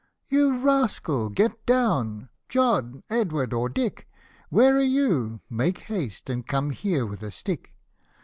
You rascal, get down, John, Edward, or Dick ! Where are you? make haste, and / come here with a stick."